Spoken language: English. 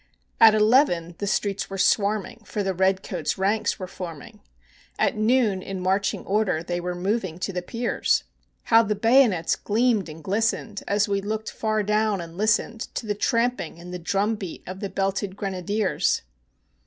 At eleven the streets were swarming, for the red coats' ranks were forming; At noon in marching order they were moving to the piers; How the bayonets gleamed and glistened, as we looked far down, and listened To the trampling and the drum beat of the belted grenadiers!